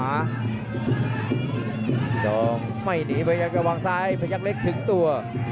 สองไม่หนีพยายามจะวางซ้ายพยักษ์เล็กถึงตัว